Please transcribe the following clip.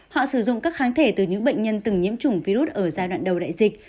họ sử dụng các kháng thể từ những bệnh nhân từng nhiễm chủng virus ở giai đoạn đầu đại dịch